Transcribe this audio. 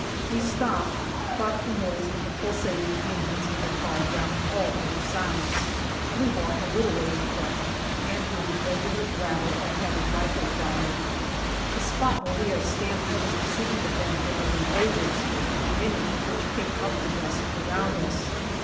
We stop, but the noise of the pulsating engines of the car drowns all other sounds, and we walk a little way in front and hear the regular rattle of heavy rifle fire. The spot where we are standing is receiving the benefit of the " overs/' many of which kick up the dust around us.